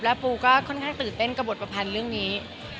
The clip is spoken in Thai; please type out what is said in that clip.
ปูก็ค่อนข้างตื่นเต้นกับบทประพันธ์เรื่องนี้